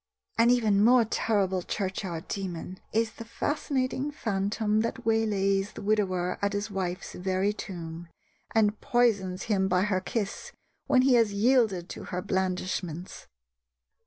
An even more terrible churchyard demon is the fascinating phantom that waylays the widower at his wife's very tomb, and poisons him by her kiss when he has yielded to her blandishments.